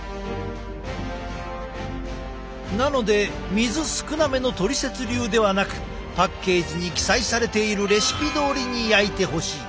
なので水少なめのトリセツ流ではなくパッケージに記載されているレシピどおりに焼いてほしい。